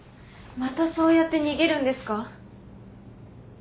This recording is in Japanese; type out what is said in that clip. またそうやって逃げるんですか？